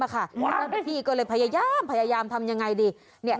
ละค่ะไม่ไม่ดีก็เลยพยายามพยายามทำยังไงดีเนี่ย